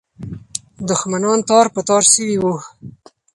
دښمنان تار په تار سوي وو.